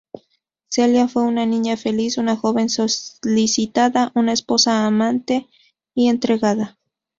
Celia fue una niña feliz, una joven solicitada, una esposa amante y entregada.